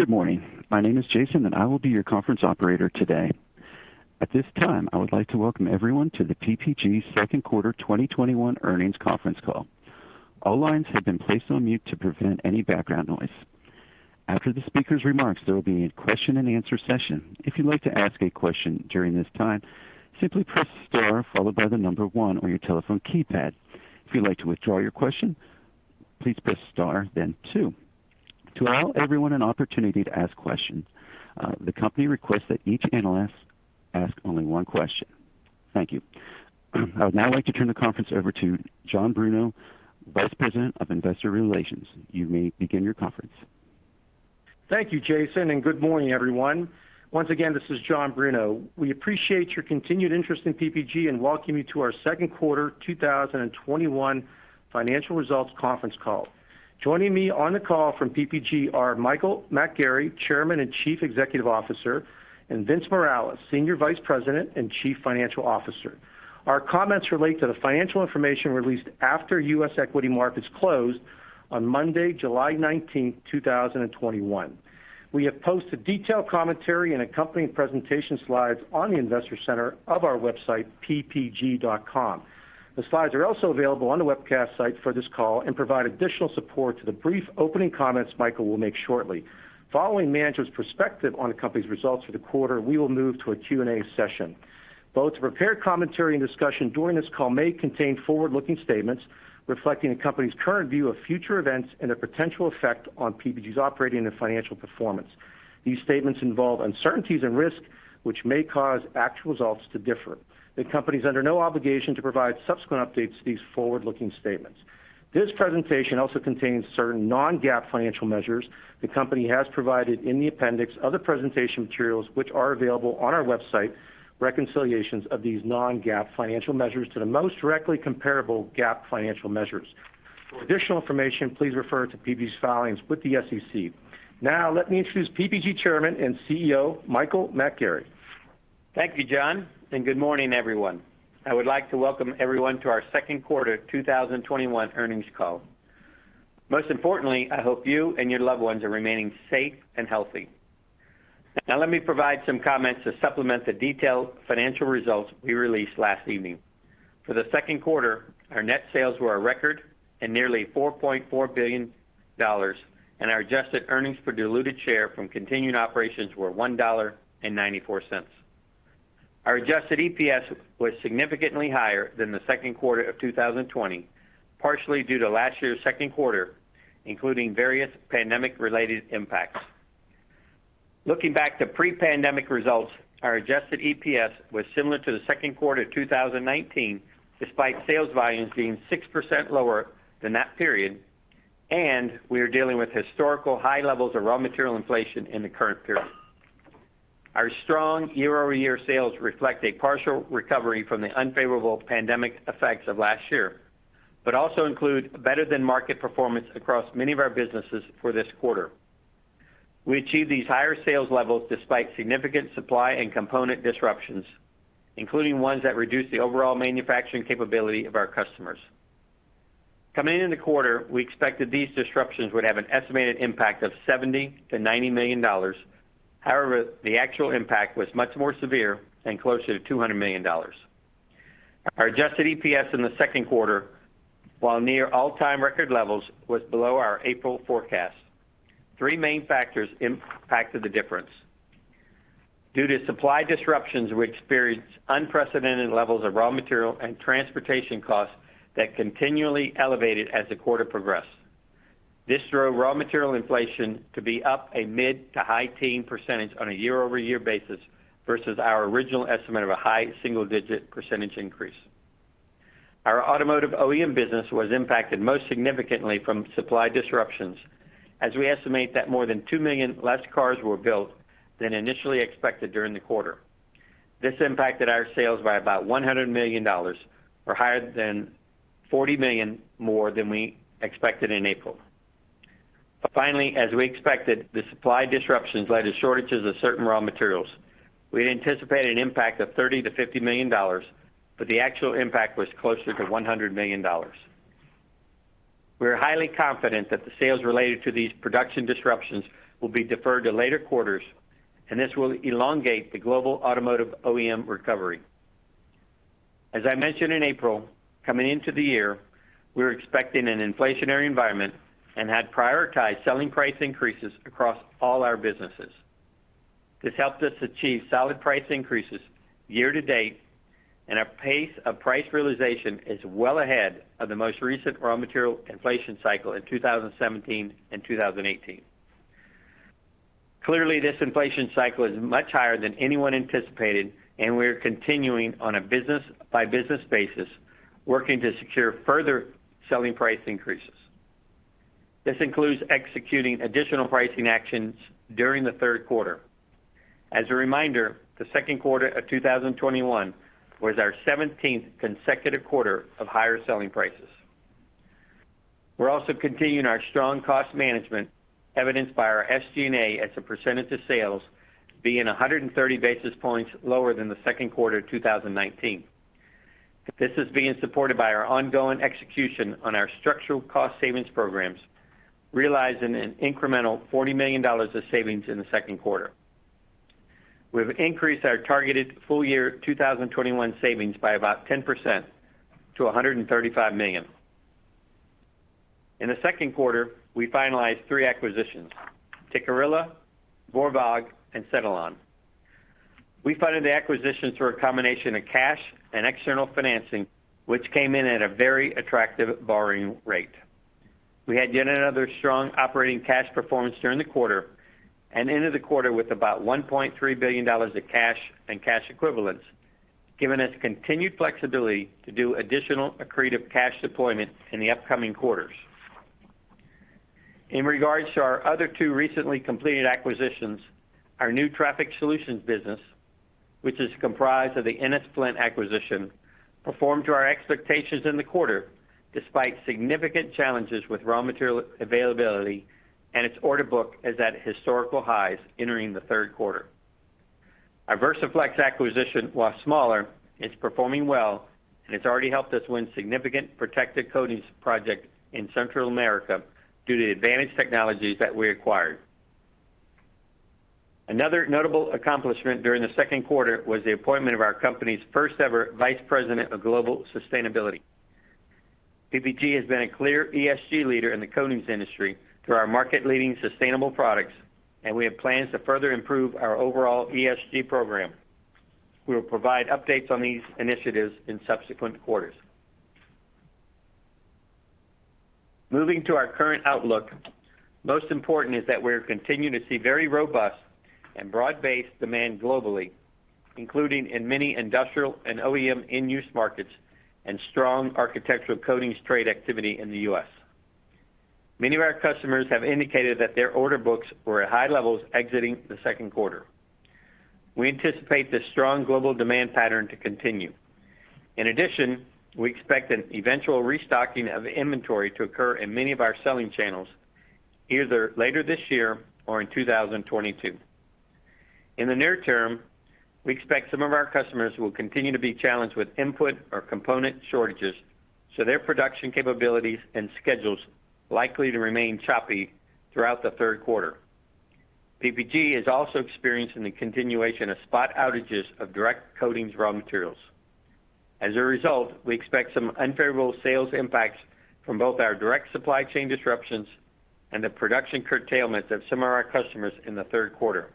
Good morning. My name is Jason, and I will be your conference operator today. At this time, I would like to welcome everyone to the PPG second quarter 2021 earnings conference call. All lines have been placed on mute to prevent any background noise. After the speaker's remarks, there will be a question-and-answer session. If you'd like to ask a question during this time, simply press star followed by the number one on your telephone keypad. If you'd like to withdraw your question, please press star then two. To allow everyone an opportunity to ask questions, the company requests that each analyst ask only one question. Thank you. I would now like to turn the conference over to John Bruno, Vice President of Investor Relations. You may begin your conference. Thank you, Jason. Good morning, everyone. Once again, this is John Bruno. We appreciate your continued interest in PPG and welcome you to our second quarter 2021 financial results conference call. Joining me on the call from PPG are Michael McGarry, Chairman and Chief Executive Officer, and Vince Morales, Senior Vice President and Chief Financial Officer. Our comments relate to the financial information released after U.S. equity markets closed on Monday, July 19th, 2021. We have posted detailed commentary and accompanying presentation slides on the investor center of our website, ppg.com. The slides are also available on the webcast site for this call and provide additional support to the brief opening comments Michael will make shortly. Following management's perspective on the company's results for the quarter, we will move to a Q&A session. Both the prepared commentary and discussion during this call may contain forward-looking statements reflecting the company's current view of future events and their potential effect on PPG's operating and financial performance. These statements involve uncertainties and risks, which may cause actual results to differ. The company is under no obligation to provide subsequent updates to these forward-looking statements. This presentation also contains certain non-GAAP financial measures the company has provided in the appendix of the presentation materials, which are available on our website, reconciliations of these non-GAAP financial measures to the most directly comparable GAAP financial measures. For additional information, please refer to PPG's filings with the SEC. Let me introduce PPG Chairman and CEO, Michael McGarry. Thank you, John. Good morning, everyone. I would like to welcome everyone to our second quarter 2021 earnings call. Most importantly, I hope you and your loved ones are remaining safe and healthy. Let me provide some comments to supplement the detailed financial results we released last evening. For the second quarter, our net sales were a record at nearly $4.4 billion. Our adjusted earnings per diluted share from continuing operations were $1.94. Our adjusted EPS was significantly higher than the second quarter of 2020, partially due to last year's second quarter, including various pandemic related impacts. Looking back to pre-pandemic results, our adjusted EPS was similar to the second quarter of 2019, despite sales volumes being 6% lower than that period. We are dealing with historical high levels of raw material inflation in the current period. Our strong year-over-year sales reflect a partial recovery from the unfavorable pandemic effects of last year, but also include better than market performance across many of our businesses for this quarter. We achieved these higher sales levels despite significant supply and component disruptions, including ones that reduced the overall manufacturing capability of our customers. Coming into the quarter, we expected these disruptions would have an estimated impact of $70 million-$90 million. However, the actual impact was much more severe and closer to $200 million. Our adjusted EPS in the second quarter, while near all-time record levels, was below our April forecast. Three main factors impacted the difference. Due to supply disruptions, we experienced unprecedented levels of raw material and transportation costs that continually elevated as the quarter progressed. This drove raw material inflation to be up a mid to high teen percentage on a year-over-year basis versus our original estimate of a high single-digit percentage increase. Our automotive OEM business was impacted most significantly from supply disruptions, as we estimate that more than 2 million less cars were built than initially expected during the quarter. This impacted our sales by about $100 million, or higher than $40 million more than we expected in April. Finally, as we expected, the supply disruptions led to shortages of certain raw materials. We had anticipated an impact of $30 million-$50 million, but the actual impact was closer to $100 million. We are highly confident that the sales related to these production disruptions will be deferred to later quarters, and this will elongate the global automotive OEM recovery. As I mentioned in April, coming into the year, we were expecting an inflationary environment and had prioritized selling price increases across all our businesses. This helped us achieve solid price increases year-to-date, and our pace of price realization is well ahead of the most recent raw material inflation cycle in 2017 and 2018. Clearly, this inflation cycle is much higher than anyone anticipated, and we're continuing on a business by business basis, working to secure further selling price increases. This includes executing additional pricing actions during the third quarter. As a reminder, the second quarter of 2021 was our 17th consecutive quarter of higher selling prices. We're also continuing our strong cost management, evidenced by our SGA as a percentage of sales being 130 basis points lower than the second quarter of 2019. This is being supported by our ongoing execution on our structural cost savings programs, realizing an incremental $40 million of savings in the second quarter. We've increased our targeted full year 2021 savings by about 10% to $135 million. In the second quarter, we finalized three acquisitions, Tikkurila, Wörwag, and Cetelon. We funded the acquisitions through a combination of cash and external financing, which came in at a very attractive borrowing rate. We had yet another strong operating cash performance during the quarter, and ended the quarter with about $1.3 billion of cash and cash equivalents, giving us continued flexibility to do additional accretive cash deployment in the upcoming quarters. In regard to our other two recently completed acquisitions, our new Traffic Solutions business, which is comprised of the Ennis-Flint acquisition, performed to our expectations in the quarter, despite significant challenges with raw material availability, and its order book is at historical highs entering the third quarter. Our VersaFlex acquisition, while smaller, is performing well, and it's already helped us win significant protective coatings project in Central America due to the advantage technologies that we acquired. Another notable accomplishment during the second quarter was the appointment of our company's first ever Vice President of Global Sustainability. PPG has been a clear ESG leader in the coatings industry through our market leading sustainable products, and we have plans to further improve our overall ESG program. We will provide updates on these initiatives in subsequent quarters. Moving to our current outlook, most important is that we're continuing to see very robust and broad-based demand globally, including in many industrial and OEM end-use markets, and strong architectural coatings trade activity in the U.S. Many of our customers have indicated that their order books were at high levels exiting the second quarter. We anticipate this strong global demand pattern to continue. In addition, we expect an eventual restocking of inventory to occur in many of our selling channels, either later this year or in 2022. In the near term, we expect some of our customers will continue to be challenged with input or component shortages, so their production capabilities and schedules likely to remain choppy throughout the third quarter. PPG is also experiencing the continuation of spot outages of direct coatings raw materials. As a result, we expect some unfavorable sales impacts from both our direct supply chain disruptions and the production curtailments of some of our customers in the third quarter.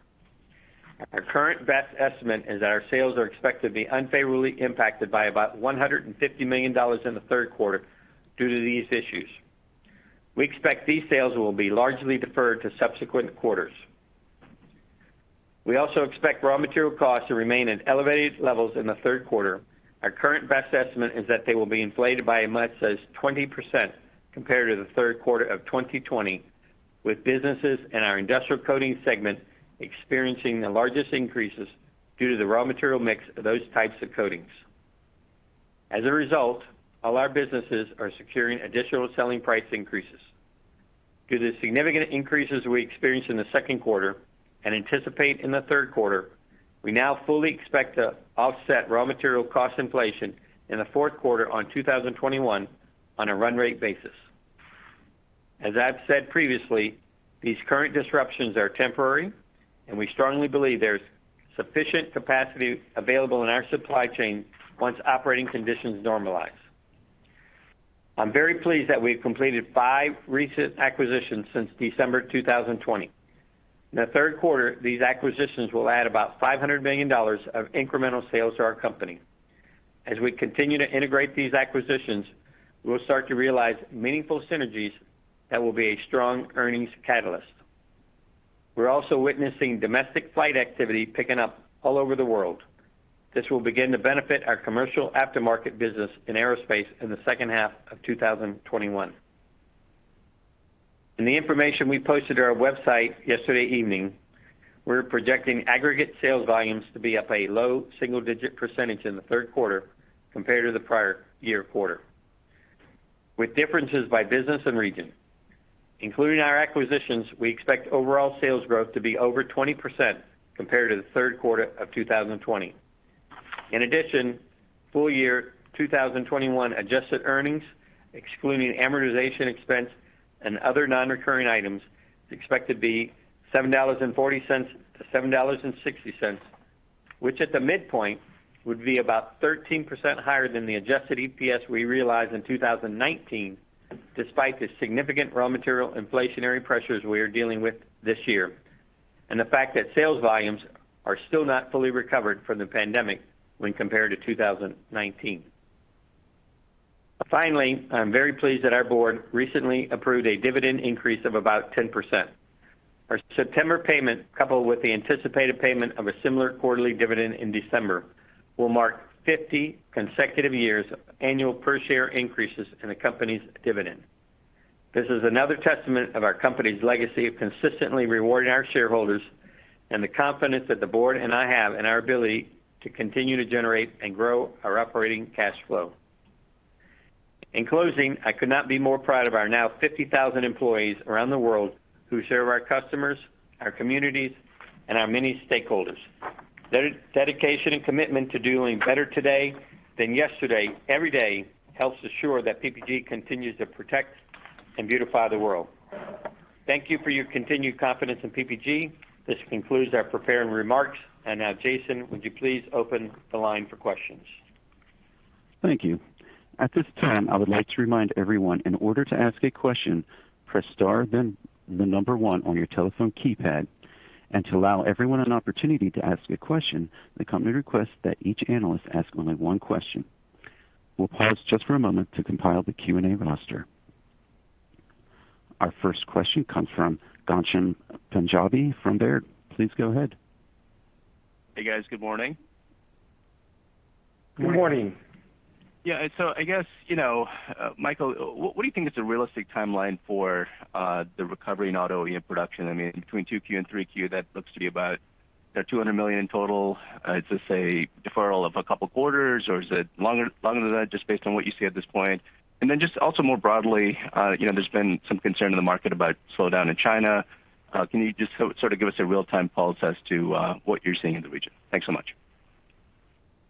Our current best estimate is that our sales are expected to be unfavorably impacted by about $150 million in the third quarter due to these issues. We expect these sales will be largely deferred to subsequent quarters. We also expect raw material costs to remain at elevated levels in the third quarter. Our current best estimate is that they will be inflated by as much as 20% compared to the third quarter of 2020, with businesses in our industrial coatings segment experiencing the largest increases due to the raw material mix of those types of coatings. As a result, all our businesses are securing additional selling price increases. Due to the significant increases we experienced in the second quarter and anticipate in the third quarter, we now fully expect to offset raw material cost inflation in the fourth quarter on 2021 on a run rate basis. As I've said previously, these current disruptions are temporary, and we strongly believe there's sufficient capacity available in our supply chain once operating conditions normalize. I'm very pleased that we've completed five recent acquisitions since December 2020. In the third quarter, these acquisitions will add about $500 million of incremental sales to our company. As we continue to integrate these acquisitions, we'll start to realize meaningful synergies that will be a strong earnings catalyst. We're also witnessing domestic flight activity picking up all over the world. This will begin to benefit our commercial aftermarket business in aerospace in the second half of 2021. In the information we posted to our website yesterday evening, we're projecting aggregate sales volumes to be up a low single-digit percentage in the third quarter compared to the prior year quarter. With differences by business and region. Including our acquisitions, we expect overall sales growth to be over 20% compared to the third quarter of 2020. In addition, full year 2021 adjusted earnings, excluding amortization expense and other non-recurring items, is expected to be $7.40-$7.60, which at the midpoint would be about 13% higher than the adjusted EPS we realized in 2019, despite the significant raw material inflationary pressures we are dealing with this year, and the fact that sales volumes are still not fully recovered from the pandemic when compared to 2019. Finally, I'm very pleased that our board recently approved a dividend increase of about 10%. Our September payment, coupled with the anticipated payment of a similar quarterly dividend in December, will mark 50 consecutive years of annual per share increases in the company's dividend. This is another testament of our company's legacy of consistently rewarding our shareholders, and the confidence that the board and I have in our ability to continue to generate and grow our operating cash flow. In closing, I could not be more proud of our now 50,000 employees around the world who serve our customers, our communities, and our many stakeholders. Their dedication and commitment to doing better today than yesterday every day helps assure that PPG continues to protect and beautify the world. Thank you for your continued confidence in PPG. This concludes our prepared remarks. Now, Jason, would you please open the line for questions? Thank you. At this time, I would like to remind everyone, in order to ask a question, press star then the number one on your telephone keypad. To allow everyone an opportunity to ask a question, the company requests that each analyst ask only one question. We'll pause just for a moment to compile the Q&A roster. Our first question comes from Ghansham Panjabi from Baird. Please go ahead. Hey, guys. Good morning. Good morning. Yeah. I guess, Michael, what do you think is a realistic timeline for the recovery in auto OEM production? I mean, between 2Q and 3Q, that looks to be about $200 million in total. Is this a deferral of a couple of quarters, or is it longer than that, just based on what you see at this point? Just also more broadly, there's been some concern in the market about slowdown in China. Can you just sort of give us a real-time pulse as to what you're seeing in the region? Thanks so much.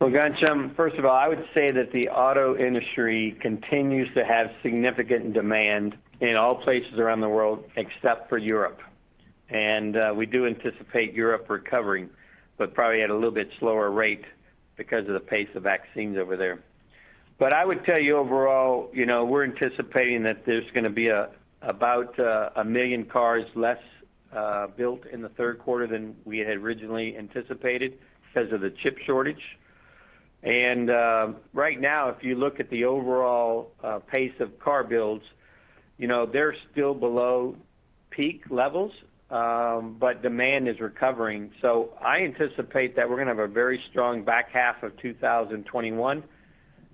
Well, Ghansham, first of all, I would say that the auto industry continues to have significant demand in all places around the world, except for Europe. We do anticipate Europe recovering, but probably at a little bit slower rate because of the pace of vaccines over there. I would tell you overall, we're anticipating that there's going to be about 1 million cars less built in the third quarter than we had originally anticipated because of the chip shortage. Right now, if you look at the overall pace of car builds, they're still below peak levels, but demand is recovering. I anticipate that we're going to have a very strong back half of 2021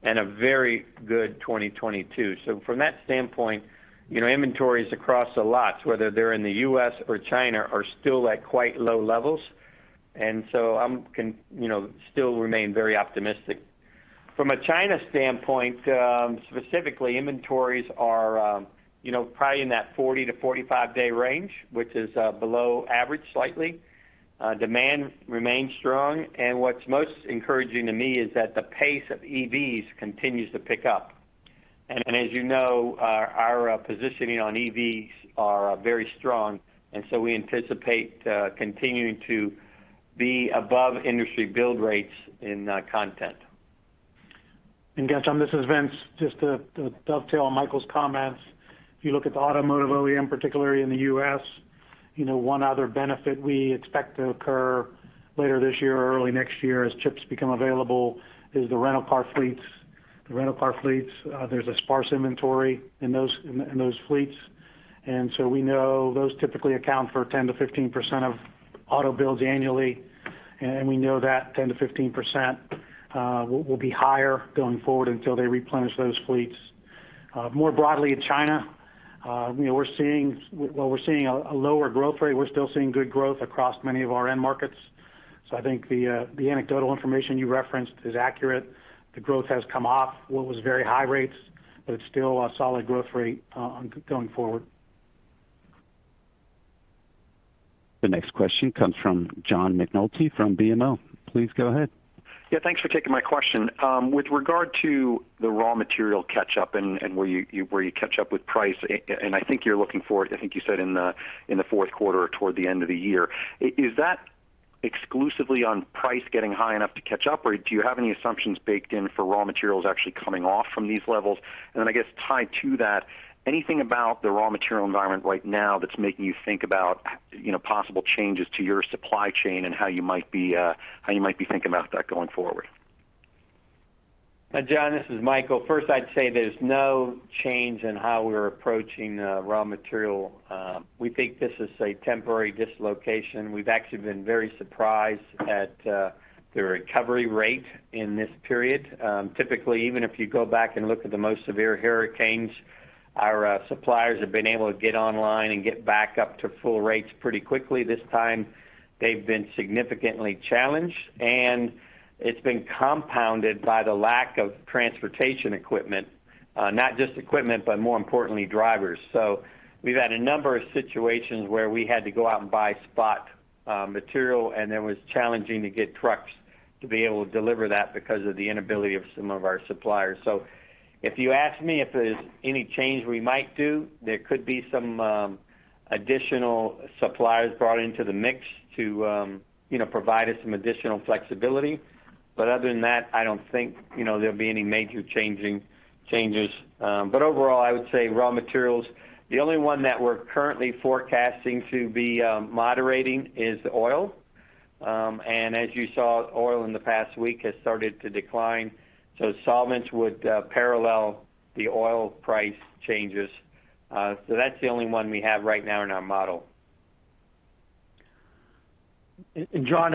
and a very good 2022. From that standpoint, inventories across the lots, whether they're in the U.S. or China, are still at quite low levels. I still remain very optimistic. From a China standpoint, specifically, inventories are probably in that 40 to 45-day range, which is below average, slightly. Demand remains strong, and what's most encouraging to me is that the pace of EVs continues to pick up. As you know, our positioning on EVs are very strong, and so we anticipate continuing to be above industry build rates in content. Ghansham, this is Vince. Just to dovetail on Michael's comments, if you look at the automotive OEM, particularly in the U.S., one other benefit we expect to occur later this year or early next year as chips become available is the rental car fleets. The rental car fleets, there's a sparse inventory in those fleets. We know those typically account for 10%-15% of auto builds annually, and we know that 10%-15% will be higher going forward until they replenish those fleets. More broadly in China, while we're seeing a lower growth rate, we're still seeing good growth across many of our end markets. I think the anecdotal information you referenced is accurate. The growth has come off what was very high rates, but it's still a solid growth rate going forward. The next question comes from John McNulty from BMO. Please go ahead. Yeah, thanks for taking my question. With regard to the raw material catch-up and where you catch up with price, and I think you're looking forward, I think you said in the fourth quarter or toward the end of the year. Is that exclusively on price getting high enough to catch up, or do you have any assumptions baked in for raw materials actually coming off from these levels? I guess, tied to that, anything about the raw material environment right now that's making you think about possible changes to your supply chain and how you might be thinking about that going forward? John, this is Michael. First, I'd say there's no change in how we're approaching raw material. We think this is a temporary dislocation. We've actually been very surprised at the recovery rate in this period. Typically, even if you go back and look at the most severe hurricanes, our suppliers have been able to get online and get back up to full rates pretty quickly. This time, they've been significantly challenged, and it's been compounded by the lack of transportation equipment. Not just equipment, but more importantly, drivers. We've had a number of situations where we had to go out and buy spot material, and it was challenging to get trucks to be able to deliver that because of the inability of some of our suppliers. If you ask me if there's any change we might do, there could be some additional suppliers brought into the mix to provide us some additional flexibility. Other than that, I don't think there'll be any major changes. Overall, I would say raw materials, the only one that we're currently forecasting to be moderating is oil. As you saw, oil in the past week has started to decline. Solvents would parallel the oil price changes. That's the only one we have right now in our model. John,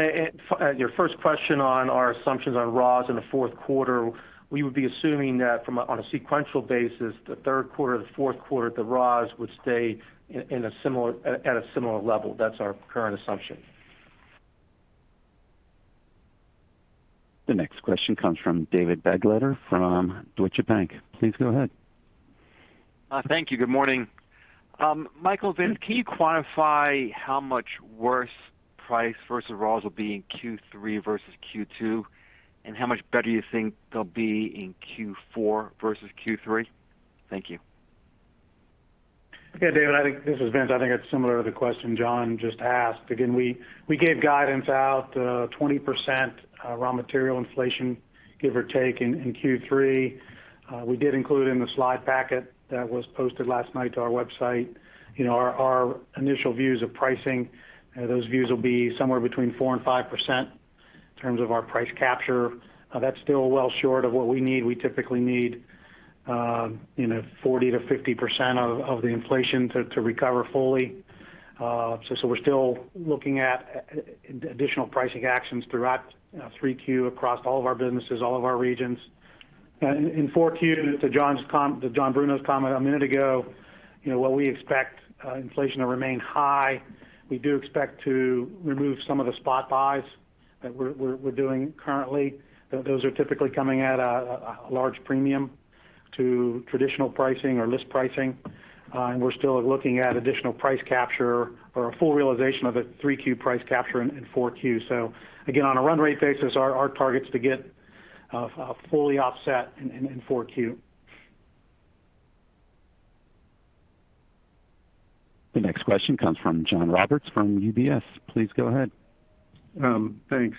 your first question on our assumptions on raws in the fourth quarter, we would be assuming that on a sequential basis, the third quarter to the fourth quarter, the raws would stay at a similar level. That's our current assumption. The next question comes from David Begleiter from Deutsche Bank. Please go ahead. Thank you. Good morning. Michael, Vince, can you quantify how much worse price versus raws will be in Q3 versus Q2? How much better you think they'll be in Q4 versus Q3? Thank you. Okay, David, this is Vince. I think that's similar to the question John just asked. Again, we gave guidance out, 20% raw material inflation, give or take, in Q3. We did include in the slide packet that was posted last night to our website, our initial views of pricing. Those views will be somewhere between 4% and 5% in terms of our price capture. That's still well short of what we need. We typically need 40%-50% of the inflation to recover fully. We're still looking at additional pricing actions throughout 3Q across all of our businesses, all of our regions. In 4Q, to John Bruno's comment a minute ago, what we expect inflation to remain high. We do expect to remove some of the spot buys that we're doing currently. Those are typically coming at a large premium to traditional pricing or list pricing. We're still looking at additional price capture or a full realization of a 3Q price capture in 4Q. Again, on a run rate basis, our target's to get fully offset in 4Q. The next question comes from John Roberts from UBS. Please go ahead. Thanks.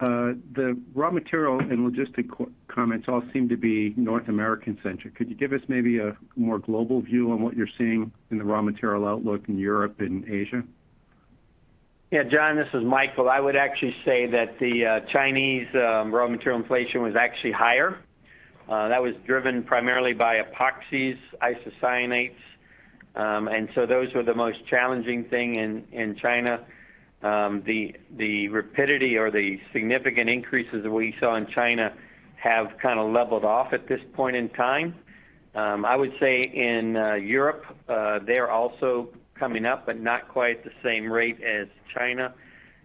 The raw material and logistics comments all seem to be North American centric. Could you give us maybe a more global view on what you're seeing in the raw material outlook in Europe and Asia? Yeah, John, this is Michael. I would actually say that the Chinese raw material inflation was actually higher. That was driven primarily by epoxies, isocyanates. Those were the most challenging thing in China. The rapidity or the significant increases that we saw in China have kind of leveled off at this point in time. I would say in Europe, they're also coming up, but not quite the same rate as China.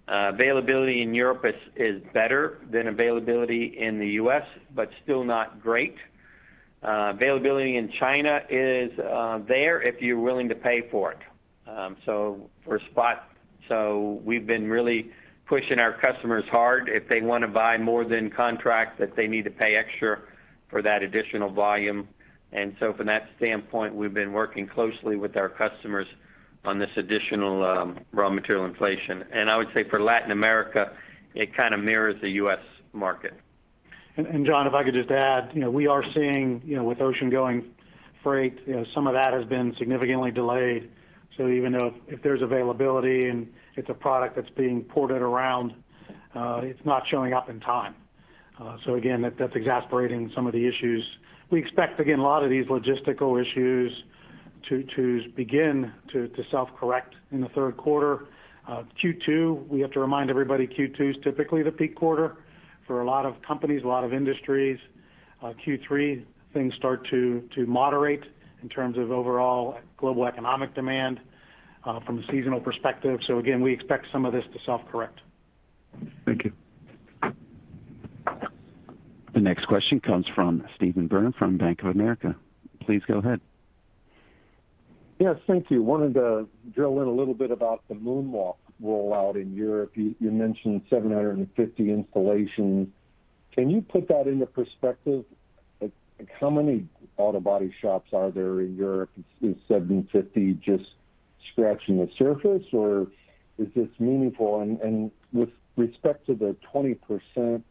Availability in Europe is better than availability in the U.S., but still not great. Availability in China is there if you're willing to pay for it. For spot. We've been really pushing our customers hard if they want to buy more than contract, that they need to pay extra for that additional volume. From that standpoint, we've been working closely with our customers on this additional raw material inflation. I would say for Latin America, it kind of mirrors the U.S. market. John, if I could just add, we are seeing with ocean-going freight, some of that has been significantly delayed. Even though if there's availability and it's a product that's being ported around, it's not showing up in time. Again, that's exacerbating some of the issues. We expect, again, a lot of these logistical issues to begin to self-correct in the third quarter. Q2, we have to remind everybody, Q2 is typically the peak quarter for a lot of companies, a lot of industries. Q3, things start to moderate in terms of overall global economic demand from a seasonal perspective. Again, we expect some of this to self-correct. Thank you. The next question comes from Steve Byrne from Bank of America. Please go ahead. Yes, thank you. Wanted to drill in a little bit about the MoonWalk rollout in Europe. You mentioned 750 installations. Can you put that into perspective? Like how many auto body shops are there in Europe? Is 750 just scratching the surface or is this meaningful? With respect to the 20%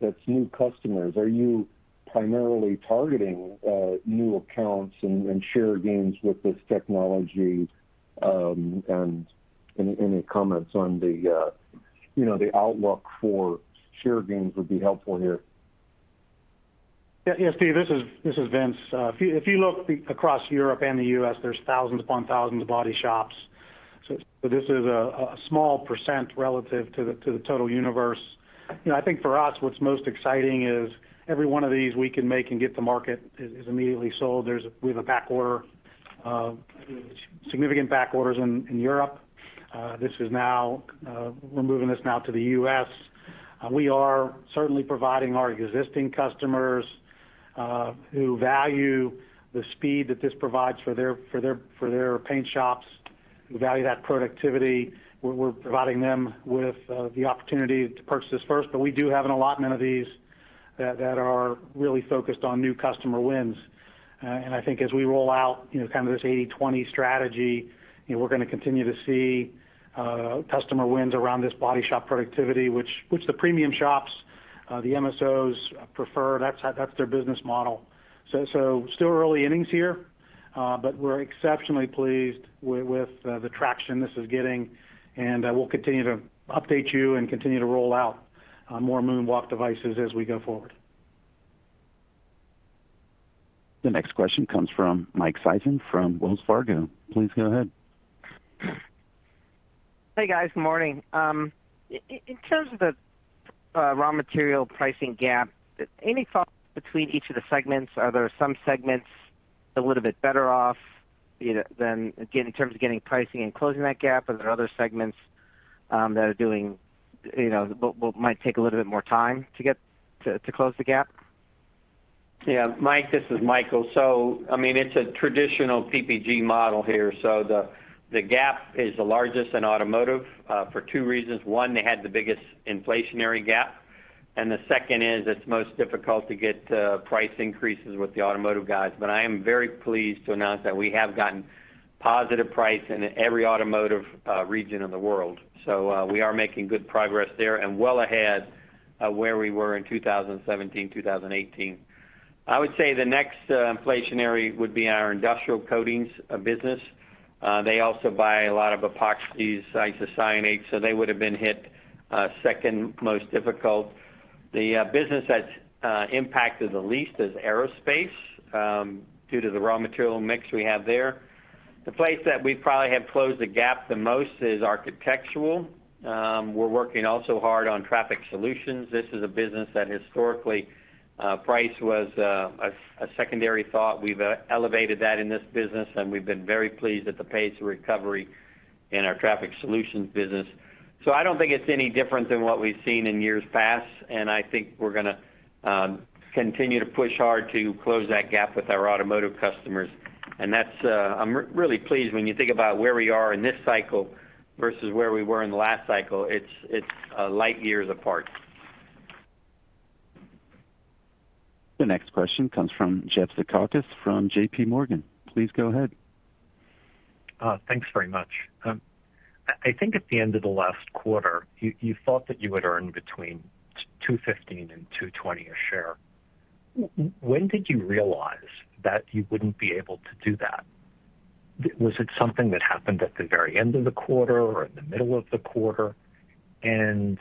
that's new customers, are you primarily targeting new accounts and share gains with this technology? Any comments on the outlook for share gains would be helpful here. Steve, this is Vince. If you look across Europe and the U.S., there's thousands upon thousands of body shops. This is a small percent relative to the total universe. I think for us, what's most exciting is every one of these we can make and get to market is immediately sold. We have a back order, significant back orders in Europe. We're moving this now to the U.S. We are certainly providing our existing customers, who value the speed that this provides for their paint shops, who value that productivity. We're providing them with the opportunity to purchase this first. We do have an allotment of these that are really focused on new customer wins. I think as we roll out kind of this 80/20 strategy, we're going to continue to see customer wins around this body shop productivity, which the premium shops, the MSOs prefer. That's their business model. Still early innings here, but we're exceptionally pleased with the traction this is getting, and we'll continue to update you and continue to roll out more MoonWalk devices as we go forward. The next question comes from Mike Sison from Wells Fargo. Please go ahead. Hey, guys. Morning. In terms of the raw material pricing gap, any thought between each of the segments? Are there some segments a little bit better off than in terms of getting pricing and closing that gap? Are there other segments that might take a little bit more time to close the gap? Yeah, Mike, this is Michael. It's a traditional PPG model here. The gap is the largest in automotive, for two reasons. One, they had the biggest inflationary gap, and the second is it's most difficult to get price increases with the automotive guys. I am very pleased to announce that we have gotten positive price in every automotive region in the world. We are making good progress there and well ahead of where we were in 2017, 2018. I would say the next inflationary would be in our industrial coatings business. They also buy a lot of epoxies, isocyanates, they would've been hit second most difficult. The business that's impacted the least is aerospace, due to the raw material mix we have there. The place that we probably have closed the gap the most is architectural. We're working also hard on Traffic Solutions. This is a business that historically, price was a secondary thought. We've elevated that in this business. We've been very pleased at the pace of recovery in our Traffic Solutions business. I don't think it's any different than what we've seen in years past. I think we're going to continue to push hard to close that gap with our automotive customers. I'm really pleased when you think about where we are in this cycle versus where we were in the last cycle. It's light years apart. The next question comes from Jeff Zekauskas from JPMorgan. Please go ahead. Thanks very much. I think at the end of the last quarter, you thought that you would earn between $2.15 and $2.20 a share. When did you realize that you wouldn't be able to do that? Was it something that happened at the very end of the quarter or in the middle of the quarter? In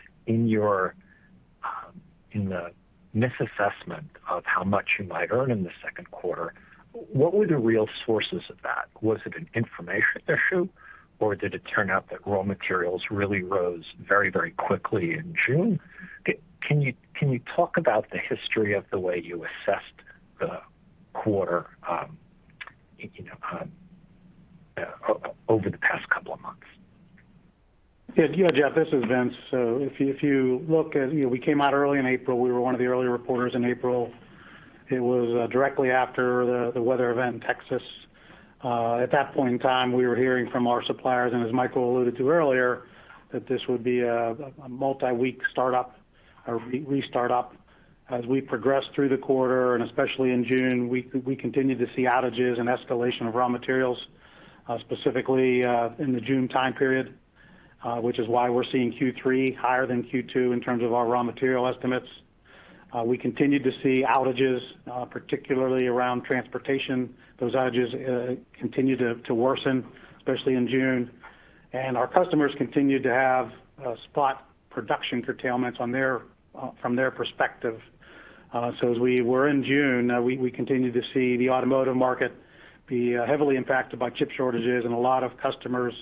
the misassessment of how much you might earn in the second quarter, what were the real sources of that? Was it an information issue, or did it turn out that raw materials really rose very quickly in June? Can you talk about the history of the way you assessed the quarter over the past couple of months? Yeah, Jeff, this is Vince. If you look at, we came out early in April. We were one of the earlier reporters in April. It was directly after the weather event in Texas. At that point in time, we were hearing from our suppliers, and as Michael alluded to earlier, that this would be a multi-week restart-up. As we progressed through the quarter, and especially in June, we continued to see outages and escalation of raw materials, specifically, in the June time period, which is why we're seeing Q3 higher than Q2 in terms of our raw material estimates. We continued to see outages, particularly around transportation. Those outages continued to worsen, especially in June. Our customers continued to have spot production curtailments from their perspective. As we were in June, we continued to see the automotive market be heavily impacted by chip shortages and a lot of customers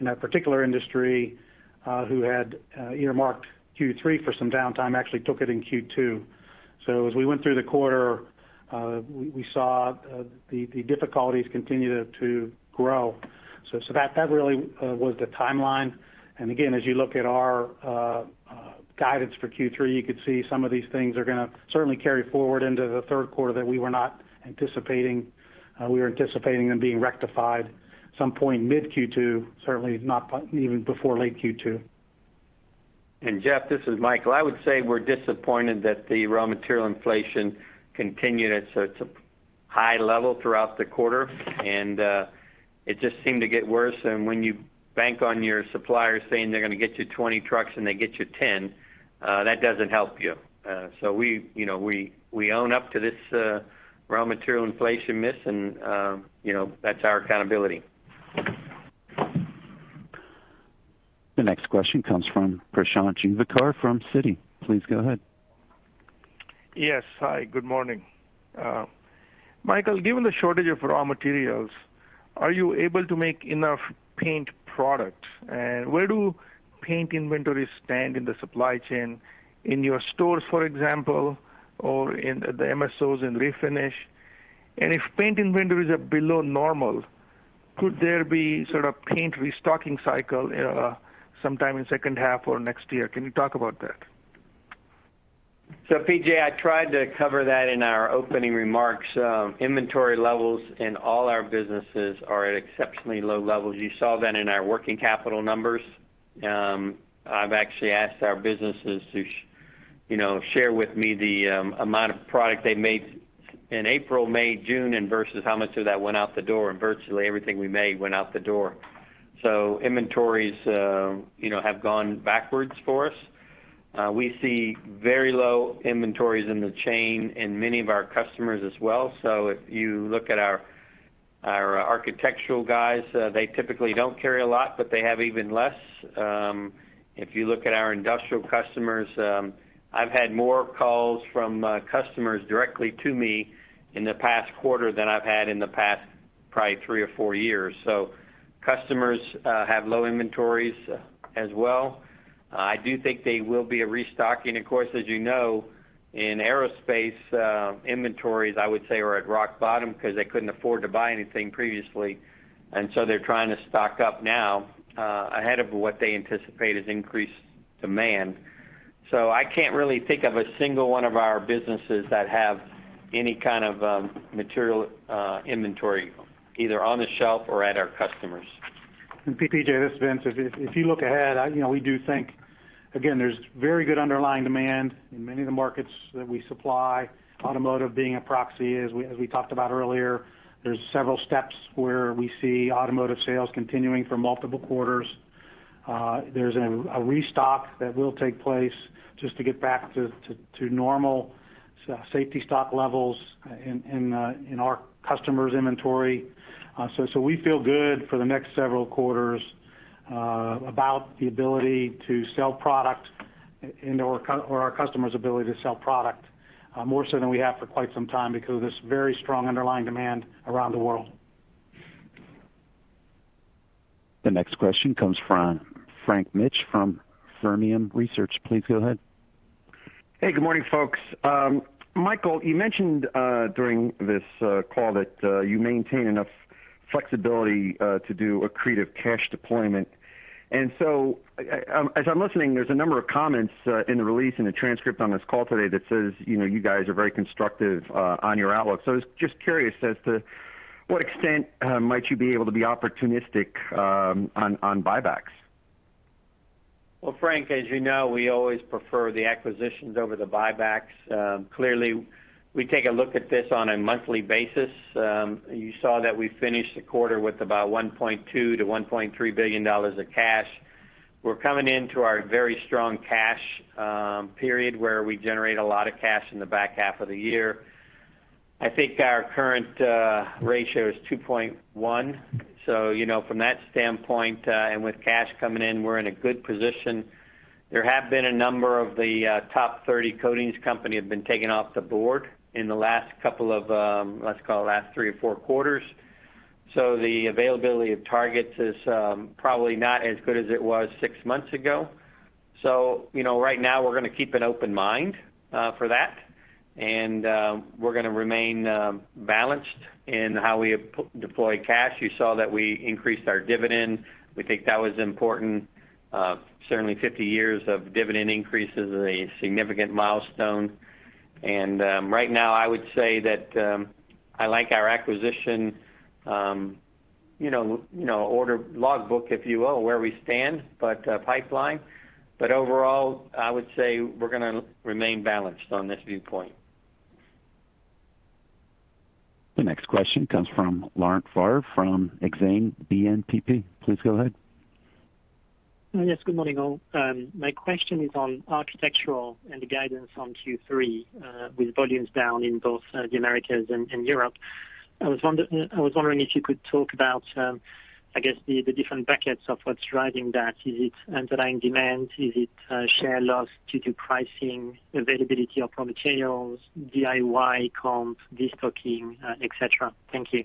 in that particular industry, who had earmarked Q3 for some downtime, actually took it in Q2. As we went through the quarter, we saw the difficulties continue to grow. That really was the timeline. Again, as you look at our guidance for Q3, you could see some of these things are going to certainly carry forward into the third quarter that we were not anticipating. We were anticipating them being rectified some point mid Q2, certainly not even before late Q2. Jeff, this is Michael. I would say we're disappointed that the raw material inflation continued at such a high level throughout the quarter. It just seemed to get worse. When you bank on your suppliers saying they're gonna get you 20 trucks and they get you 10, that doesn't help you. We own up to this raw material inflation miss and that's our accountability. The next question comes from Prashant Juvekar from Citi. Please go ahead. Yes. Hi, good morning. Michael, given the shortage of raw materials, are you able to make enough paint product? Where do paint inventories stand in the supply chain, in your stores, for example, or in the MSOs in Refinish? If paint inventories are below normal, could there be sort of paint restocking cycle sometime in second half or next year? Can you talk about that? PJ, I tried to cover that in our opening remarks. Inventory levels in all our businesses are at exceptionally low levels. You saw that in our working capital numbers. I've actually asked our businesses to share with me the amount of product they made in April, May, June, and versus how much of that went out the door, and virtually everything we made went out the door. Inventories have gone backwards for us. We see very low inventories in the chain in many of our customers as well. If you look at our architectural guys, they typically don't carry a lot, but they have even less. If you look at our industrial customers, I've had more calls from customers directly to me in the past quarter than I've had in the past probably three or four years. Customers have low inventories as well. I do think there will be a restocking. Of course, as you know, in aerospace, inventories, I would say, are at rock bottom because they couldn't afford to buy anything previously, and so they're trying to stock up now ahead of what they anticipate is increased demand. I can't really think of a single one of our businesses that have any kind of material inventory, either on the shelf or at our customers. PJ, this is Vince. If you look ahead, we do think, again, there's very good underlying demand in many of the markets that we supply, automotive being a proxy, as we talked about earlier. There's several steps where we see automotive sales continuing for multiple quarters. There's a restock that will take place just to get back to normal safety stock levels in our customers' inventory. We feel good for the next several quarters about the ability to sell product or our customers' ability to sell product, more so than we have for quite some time because of this very strong underlying demand around the world. The next question comes from Frank Mitsch from Fermium Research. Please go ahead. Hey, good morning, folks. Michael, you mentioned during this call that you maintain enough flexibility to do accretive cash deployment. As I'm listening, there's a number of comments in the release and the transcript on this call today that says you guys are very constructive on your outlook. I was just curious as to what extent might you be able to be opportunistic on buybacks? Well, Frank, as you know, we always prefer the acquisitions over the buybacks. Clearly, we take a look at this on a monthly basis. You saw that we finished the quarter with about $1.2 billion-$1.3 billion of cash. We're coming into our very strong cash period, where we generate a lot of cash in the back half of the year. I think our current ratio is 2.1. From that standpoint, and with cash coming in, we're in a good position. There have been a number of the top 30 coatings company have been taken off the board in the last three or four quarters. The availability of targets is probably not as good as it was six months ago. Right now, we're going to keep an open mind for that, and we're going to remain balanced in how we deploy cash. You saw that we increased our dividend. We think that was important. Certainly 50 years of dividend increases is a significant milestone. Right now, I would say that I like our acquisition order logbook, if you will, where we stand, but pipeline. Overall, I would say we're going to remain balanced on this viewpoint. The next question comes from Laurent Favre from Exane BNP Paribas. Please go ahead. Yes, good morning, all. My question is on architectural and the guidance on Q3 with volumes down in both the Americas and Europe. I was wondering if you could talk about, I guess, the different brackets of what's driving that. Is it underlying demand? Is it share loss due to pricing, availability of raw materials, DIY comps, destocking, et cetera? Thank you.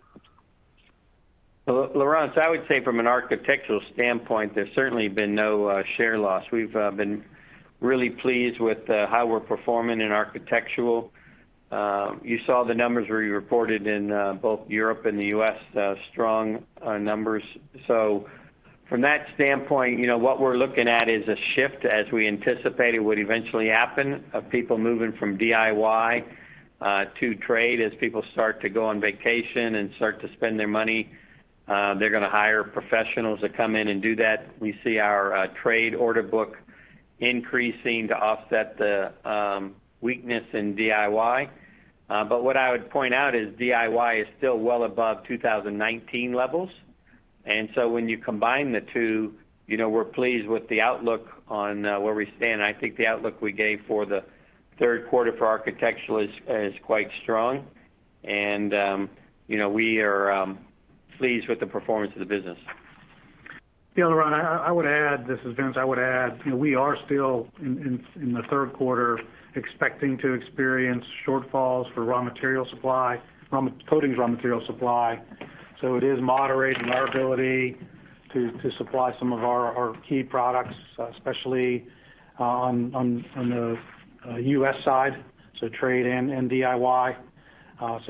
Well, Laurent, I would say from an architectural standpoint, there's certainly been no share loss. We've been really pleased with how we're performing in architectural. You saw the numbers where you reported in both Europe and the U.S., strong numbers. From that standpoint, what we're looking at is a shift as we anticipated would eventually happen of people moving from DIY to trade as people start to go on vacation and start to spend their money. They're going to hire professionals to come in and do that. We see our trade order book increasing to offset the weakness in DIY. What I would point out is DIY is still well above 2019 levels. When you combine the two, we're pleased with the outlook on where we stand. I think the outlook we gave for the third quarter for architectural is quite strong. We are pleased with the performance of the business. Yeah, Laurent, this is Vince. I would add, we are still in the third quarter expecting to experience shortfalls for coatings raw material supply. It is moderating our ability to supply some of our key products, especially on the U.S. side, trade and DIY.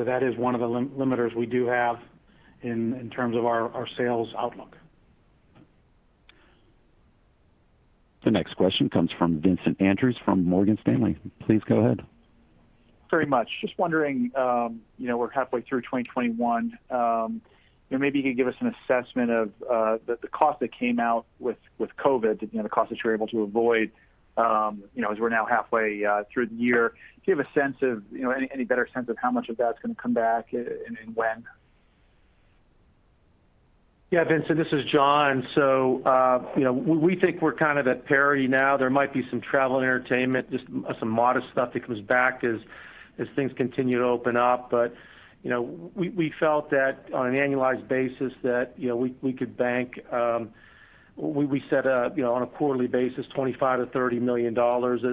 That is one of the limiters we do have in terms of our sales outlook. The next question comes from Vincent Andrews from Morgan Stanley. Please go ahead. Very much. Just wondering, we're halfway through 2021. Maybe you could give us an assessment of the cost that came out with COVID, the cost that you were able to avoid as we're now halfway through the year. Do you have any better sense of how much of that's going to come back and when? Yeah, Vincent, this is John. We think we're kind of at parity now. There might be some travel and entertainment, just some modest stuff that comes back as things continue to open up. We felt that on an annualized basis that we could set up on a quarterly basis $25 million-$30 million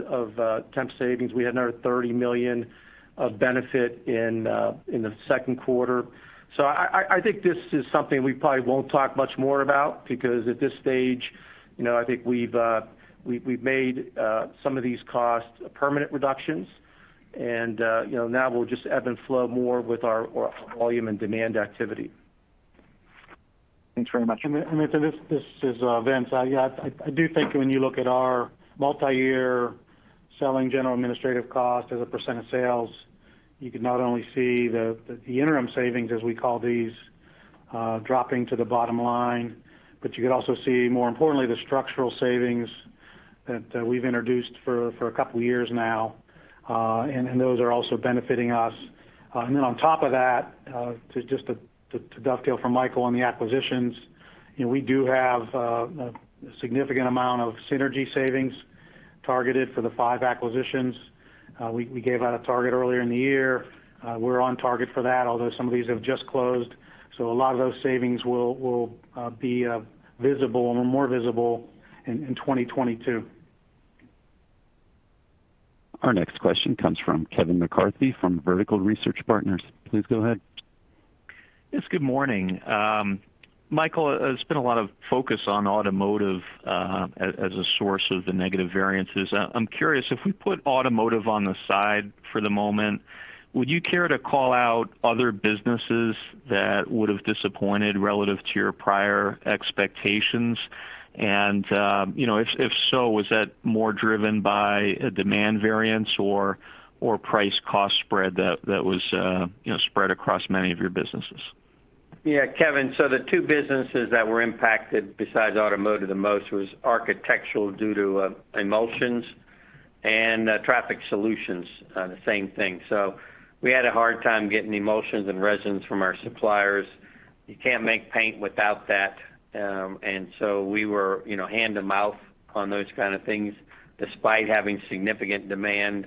of temp savings. We had another $30 million of benefit in the second quarter. I think this is something we probably won't talk much more about, because at this stage, I think we've made some of these costs permanent reductions. Now we'll just ebb and flow more with our volume and demand activity. Thanks very much. This is Vince. I do think when you look at our multi-year selling general administrative cost as a percent of sales, you can not only see the interim savings, as we call these, dropping to the bottom line, but you could also see, more importantly, the structural savings that we've introduced for a couple of years now. Those are also benefiting us. Then on top of that, to dovetail from Michael on the acquisitions, we do have a significant amount of synergy savings targeted for the five acquisitions. We gave out a target earlier in the year. We're on target for that, although some of these have just closed, so a lot of those savings will be more visible in 2022. Our next question comes from Kevin McCarthy from Vertical Research Partners. Please go ahead. Yes. Good morning. Michael, there's been a lot of focus on automotive as a source of the negative variances. I'm curious, if we put automotive on the side for the moment, would you care to call out other businesses that would've disappointed relative to your prior expectations? If so, was that more driven by a demand variance or price cost spread that was spread across many of your businesses? Kevin. The two businesses that were impacted besides automotive the most was architectural, due to emulsions, and Traffic Solutions, the same thing. We had a hard time getting emulsions and resins from our suppliers. You can't make paint without that. We were hand to mouth on those kind of things, despite having significant demand.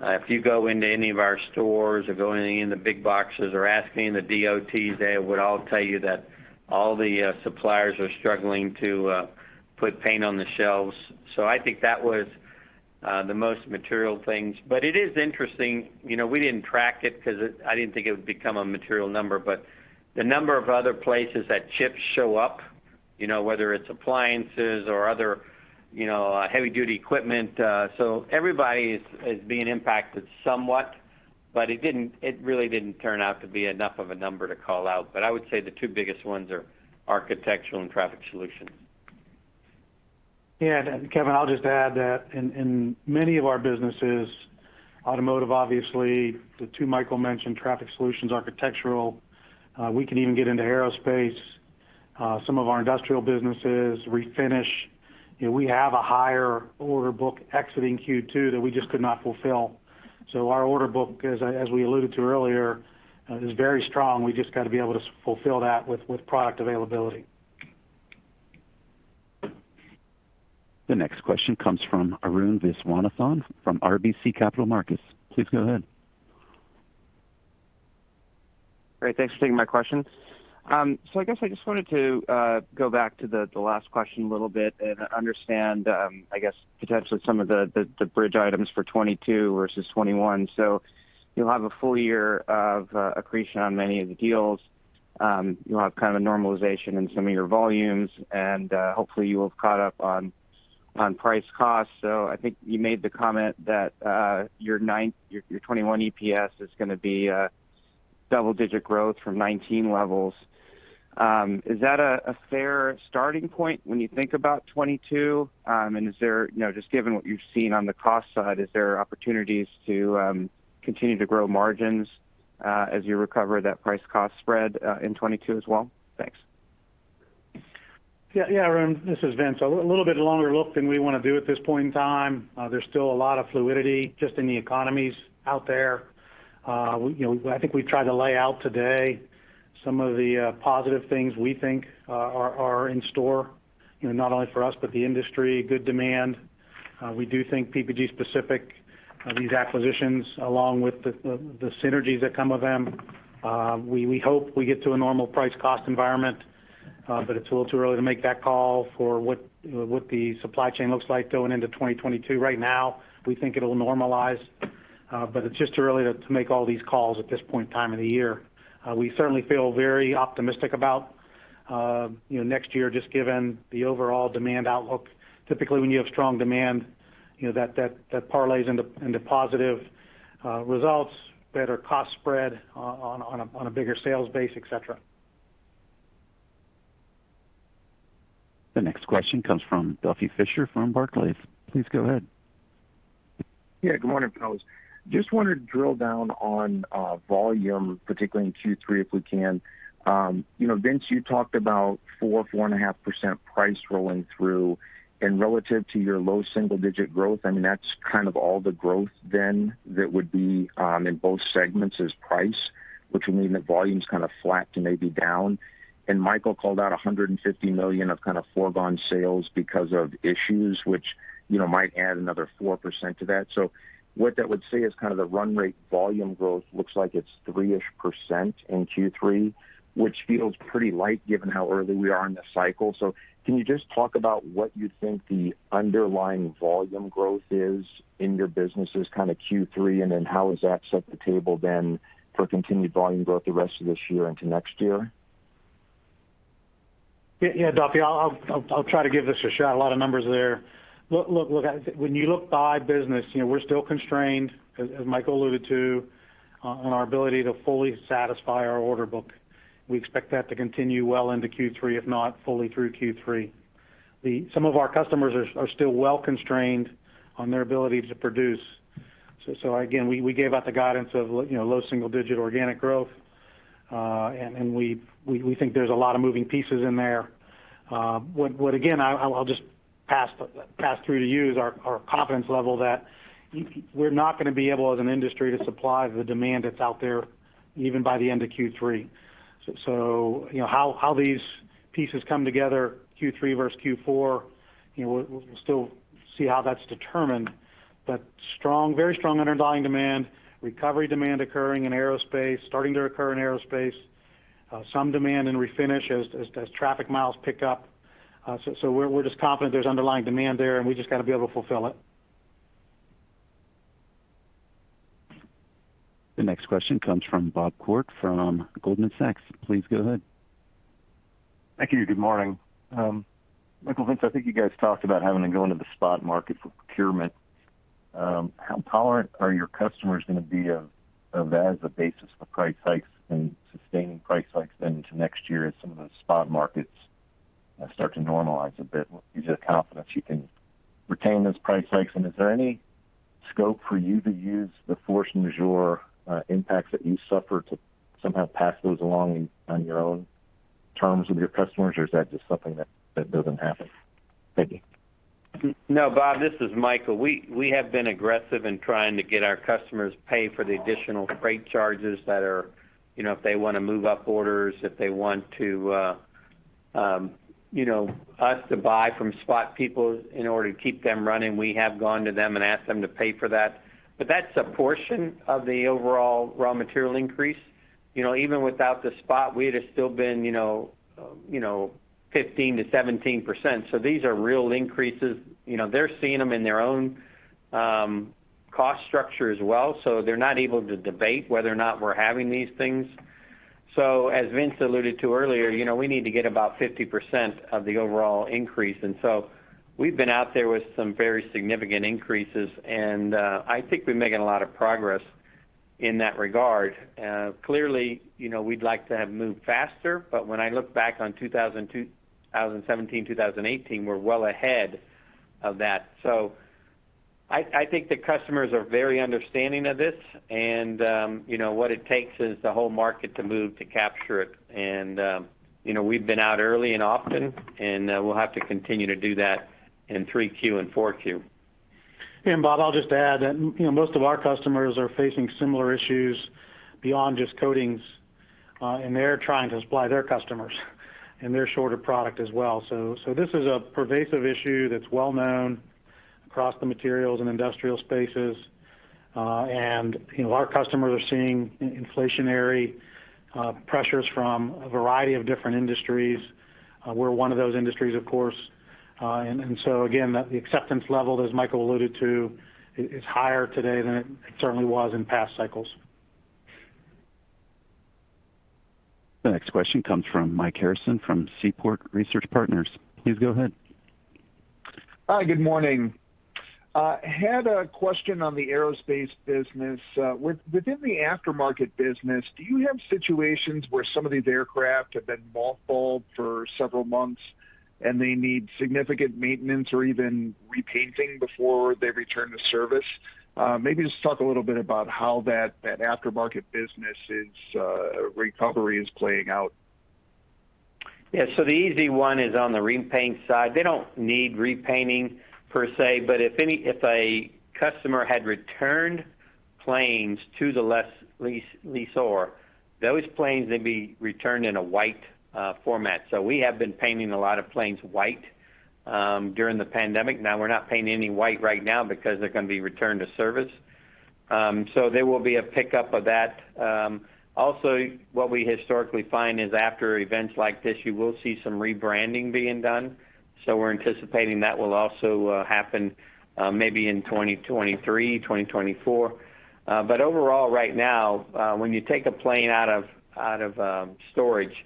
If you go into any of our stores or go in any of the big boxes or ask any of the DOTs, they would all tell you that all the suppliers are struggling to put paint on the shelves. I think that was the most material things. It is interesting, we didn't track it because I didn't think it would become a material number, but the number of other places that chips show up, whether it's appliances or other heavy duty equipment. Everybody is being impacted somewhat, but it really didn't turn out to be enough of a number to call out. I would say the two biggest ones are architectural and Traffic Solutions. Yeah. Kevin, I'll just add that in many of our businesses, automotive obviously, the two Michael mentioned, Traffic Solutions, architectural, we can even get into aerospace. Some of our industrial businesses refinish. We have a higher order book exiting Q2 that we just could not fulfill. Our order book, as we alluded to earlier, is very strong. We just got to be able to fulfill that with product availability. The next question comes from Arun Viswanathan from RBC Capital Markets. Please go ahead. Great. Thanks for taking my question. I guess I just wanted to go back to the last question a little bit and understand, I guess potentially some of the bridge items for 2022 versus 2021. You'll have a full year of accretion on many of the deals. You'll have kind of a normalization in some of your volumes, and hopefully you will have caught up on price cost. I think you made the comment that your 2021 EPS is going to be double digit growth from 2019 levels. Is that a fair starting point when you think about 2022? Just given what you've seen on the cost side, is there opportunities to continue to grow margins as you recover that price cost spread in 2022 as well? Thanks. Yeah, Arun. This is Vince. A little bit longer look than we want to do at this point in time. There's still a lot of fluidity just in the economies out there. I think we've tried to lay out today some of the positive things we think are in store, not only for us, but the industry, good demand. We do think PPG specific, these acquisitions, along with the synergies that come with them, we hope we get to a normal price cost environment, but it's a little too early to make that call for what the supply chain looks like going into 2022. Right now, we think it'll normalize. It's just too early to make all these calls at this point in time of the year. We certainly feel very optimistic about next year, just given the overall demand outlook. Typically, when you have strong demand, that parlays into positive results, better cost spread on a bigger sales base, et cetera. The next question comes from Duffy Fischer from Barclays. Please go ahead. Yeah. Good morning, fellas. Just wanted to drill down on volume, particularly in Q3 if we can. Vince, you talked about 4%, 4.5% price rolling through, relative to your low single-digit growth, I mean, that's kind of all the growth then that would be in both segments is price, which would mean that volume's kind of flat to maybe down. Michael called out $150 million of kind of foregone sales because of issues which might add another 4% to that. What that would say is kind of the run rate volume growth looks like it's 3% in Q3, which feels pretty light given how early we are in the cycle. Can you just talk about what you think the underlying volume growth is in your businesses kind of Q3, and then how does that set the table then for continued volume growth the rest of this year into next year? Yeah, Duffy, I'll try to give this a shot. A lot of numbers there. Look, when you look by business, we're still constrained, as Michael alluded to, on our ability to fully satisfy our order book. We expect that to continue well into Q3, if not fully through Q3. Some of our customers are still well constrained on their ability to produce. Again, we gave out the guidance of low single-digit organic growth. We think there's a lot of moving pieces in there. What, again, I'll just pass through to you is our confidence level that we're not going to be able, as an industry, to supply the demand that's out there, even by the end of Q3. How these pieces come together, Q3 versus Q4, we'll still see how that's determined. Very strong underlying demand. Recovery demand occurring in aerospace, starting to occur in aerospace. Some demand in refinish as traffic miles pick up. We're just confident there's underlying demand there, and we've just got to be able to fulfill it. The next question comes from Bob Koort from Goldman Sachs. Please go ahead. Thank you. Good morning. Michael, Vince, I think you guys talked about having to go into the spot market for procurement. How tolerant are your customers going to be of that as a basis for price hikes and sustaining price hikes then into next year as some of the spot markets start to normalize a bit? You said confidence you can retain those price hikes. Is there any scope for you to use the force majeure impacts that you suffer to somehow pass those along on your own terms with your customers, or is that just something that doesn't happen? Thank you. No, Bob, this is Michael. We have been aggressive in trying to get our customers pay for the additional freight charges that are, if they want to move up orders, if they want us to buy from spot people in order to keep them running. We have gone to them and asked them to pay for that. That's a portion of the overall raw material increase. Even without the spot, we'd have still been 15%-17%. These are real increases. They're seeing them in their own cost structure as well, so they're not able to debate whether or not we're having these things. As Vince alluded to earlier, we need to get about 50% of the overall increase. We've been out there with some very significant increases, and I think we're making a lot of progress in that regard. Clearly, we'd like to have moved faster. When I look back on 2017, 2018, we're well ahead of that. I think the customers are very understanding of this and what it takes is the whole market to move to capture it. We've been out early and often, and we'll have to continue to do that in 3Q and 4Q. Bob, I'll just add that most of our customers are facing similar issues beyond just coatings. They're trying to supply their customers, and they're short of product as well. This is a pervasive issue that's well known across the materials and industrial spaces. Our customers are seeing inflationary pressures from a variety of different industries. We're one of those industries, of course. Again, the acceptance level, as Michael alluded to, is higher today than it certainly was in past cycles. The next question comes from Mike Harrison from Seaport Research Partners. Please go ahead. Hi, good morning. I had a question on the aerospace business. Within the aftermarket business, do you have situations where some of these aircraft have been mothballed for several months and they need significant maintenance or even repainting before they return to service? Maybe just talk a little bit about how that aftermarket business' recovery is playing out. Yeah, the easy one is on the repaint side. They don't need repainting per se, but if a customer had returned planes to the lessor, those planes may be returned in a white format. We have been painting a lot of planes white during the pandemic. Now, we're not painting any white right now because they're going to be returned to service. There will be a pickup of that. Also, what we historically find is after events like this, you will see some rebranding being done. We're anticipating that will also happen maybe in 2023, 2024. Overall, right now, when you take a plane out of storage,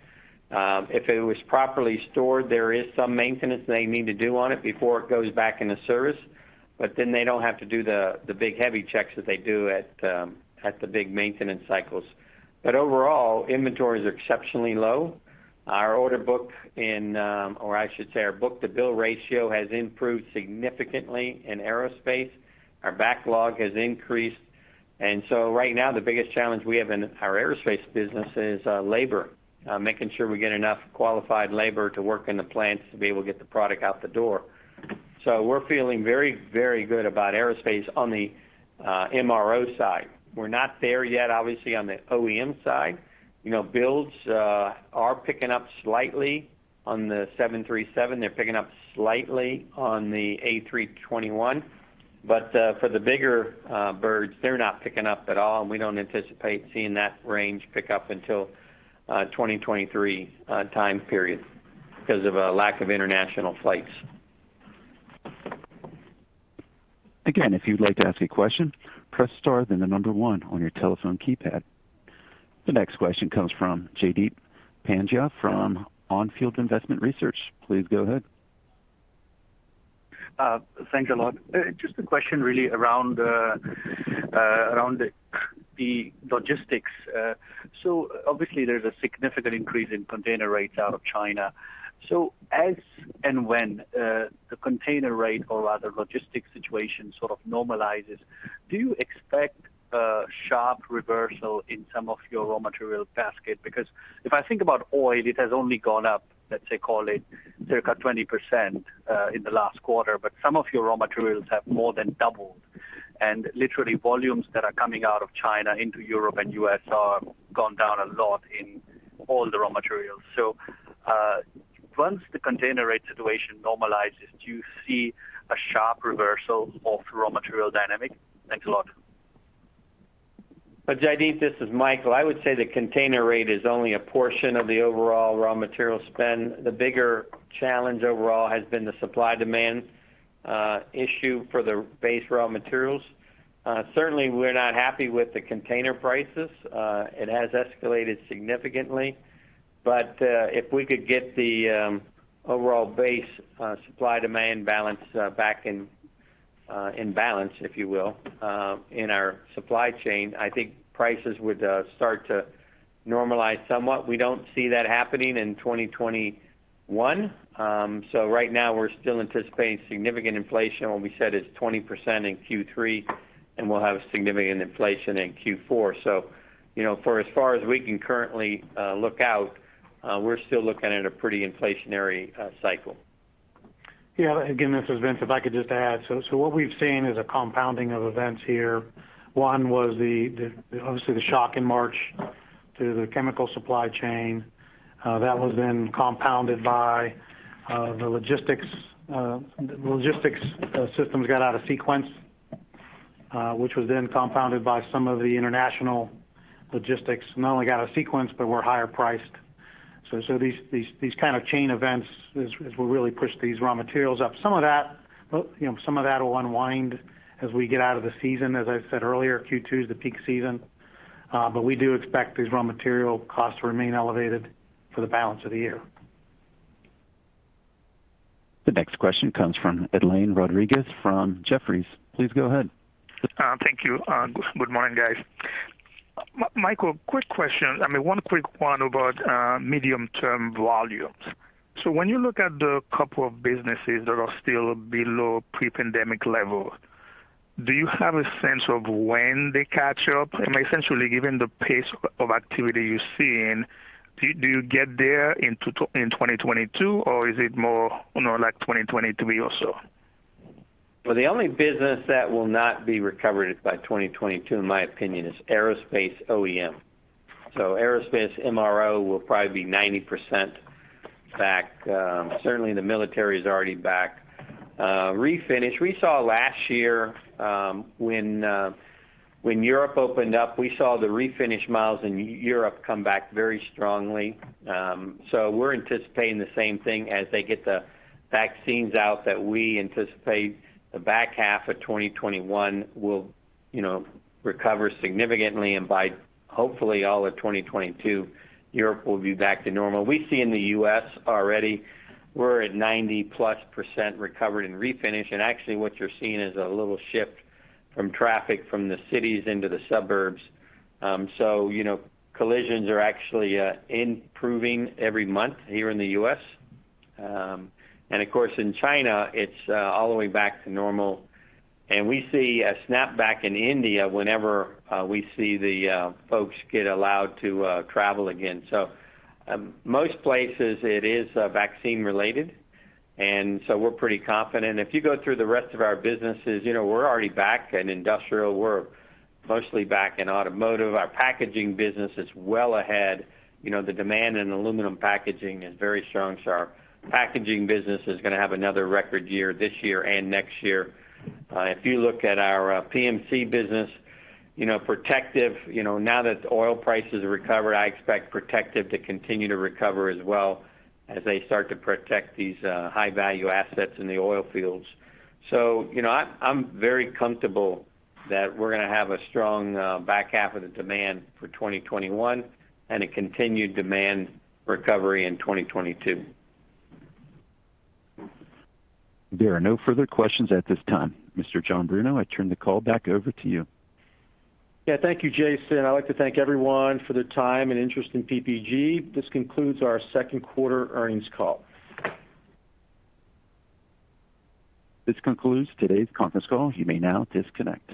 if it was properly stored, there is some maintenance they need to do on it before it goes back into service. They don't have to do the big heavy checks that they do at the big maintenance cycles. Overall, inventories are exceptionally low. Our order book, or I should say our book-to-bill ratio has improved significantly in aerospace. Our backlog has increased, and so right now the biggest challenge we have in our aerospace business is labor. Making sure we get enough qualified labor to work in the plants to be able to get the product out the door. We're feeling very good about aerospace on the MRO side. We're not there yet, obviously, on the OEM side. Builds are picking up slightly on the 737. They're picking up slightly on the A321. For the bigger birds, they're not picking up at all, and we don't anticipate seeing that range pick up until 2023 time period because of a lack of international flights. Again, if you'd like to ask a question, press star, then one on your telephone keypad. The next question comes from Jaideep Pandya from On Field Investment Research. Please go ahead. Thanks a lot. Just a question really around the logistics. Obviously there's a significant increase in container rates out of China. As and when the container rate or rather logistics situation sort of normalizes, do you expect a sharp reversal in some of your raw material basket? Because if I think about oil, it has only gone up, let's say, call it circa 20% in the last quarter. But some of your raw materials have more than doubled, and literally volumes that are coming out of China into Europe and U.S. are gone down a lot in all the raw materials. Once the container rate situation normalizes, do you see a sharp reversal of raw material dynamic? Thanks a lot. Jaideep, this is Michael. I would say the container rate is only a portion of the overall raw material spend. The bigger challenge overall has been the supply-demand issue for the base raw materials. Certainly, we're not happy with the container prices. It has escalated significantly. If we could get the overall base supply-demand balance back in balance, if you will, in our supply chain, I think prices would start to normalize somewhat. We don't see that happening in 2021. Right now, we're still anticipating significant inflation, what we said is 20% in Q3, and we'll have a significant inflation in Q4. For as far as we can currently look out, we're still looking at a pretty inflationary cycle. Yeah. Again, this is Vince. If I could just add. What we've seen is a compounding of events here. One was obviously the shock in March to the chemical supply chain. That was then compounded by the logistics systems got out of sequence, which was then compounded by some of the international logistics not only got out of sequence but were higher priced. This kind of chain event is what really pushed these raw materials up. Some of that will unwind as we get out of the season. As I said earlier, Q2 is the peak season. We do expect these raw material costs to remain elevated for the balance of the year. The next question comes from Adlain Rodriguez from Jefferies. Please go ahead. Thank you. Good morning, guys. Michael, quick question. One quick one about medium-term volumes. When you look at the couple of businesses that are still below pre-pandemic level, do you have a sense of when they catch up? Essentially, given the pace of activity you're seeing, do you get there in 2022, or is it more like 2023 or so? Well, the only business that will not be recovered by 2022, in my opinion, is aerospace OEM. Aerospace MRO will probably be 90% back. Certainly, the military is already back. Refinish, we saw last year when Europe opened up, we saw the refinish miles in Europe come back very strongly. We're anticipating the same thing as they get the vaccines out, that we anticipate the back half of 2021 will recover significantly, and by hopefully all of 2022, Europe will be back to normal. We see in the U.S. already we're at +90% recovered in refinish, and actually what you're seeing is a little shift from traffic from the cities into the suburbs. Collisions are actually improving every month here in the U.S. Of course, in China, it's all the way back to normal, and we see a snap back in India whenever we see the folks get allowed to travel again. Most places it is vaccine related, and so we're pretty confident. If you go through the rest of our businesses, we're already back in Industrial. We're mostly back in Automotive. Our Packaging business is well ahead. The demand in aluminum packaging is very strong. Our Packaging business is going to have another record year this year and next year. If you look at our PMC business, Protective, now that the oil prices have recovered, I expect Protective to continue to recover as well as they start to protect these high-value assets in the oil fields. I'm very comfortable that we're going to have a strong back half of the demand for 2021 and a continued demand recovery in 2022. There are no further questions at this time. Mr. John Bruno, I turn the call back over to you. Yeah, thank you, Jason. I’d like to thank everyone for their time and interest in PPG. This concludes our second quarter earnings call. This concludes today's conference call. You may now disconnect.